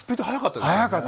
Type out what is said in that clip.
速かった。